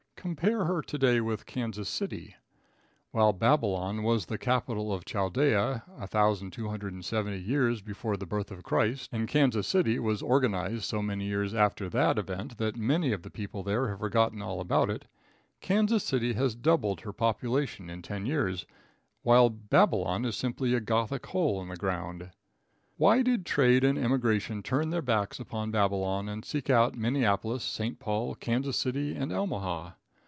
Compare her to day with Kansas City. While Babylon was the capital of Chaldea, 1,270 years before the birth of Christ, and Kansas City was organized so many years after that event that many of the people there have forgotten all about it, Kansas City has doubled her population in ten years, while Babylon is simply a gothic hole in the ground. Why did trade and emigration turn their backs upon Babylon and seek out Minneapolis, St. Paul, Kansas City and Omaha?